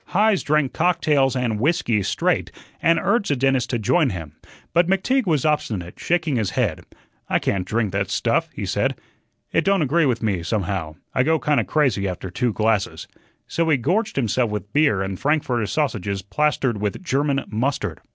Heise drank cocktails and whiskey straight, and urged the dentist to join him. But McTeague was obstinate, shaking his head. "I can't drink that stuff," he said. "It don't agree with me, somehow; I go kinda crazy after two glasses." So he gorged himself with beer and frankfurter sausages plastered with German mustard.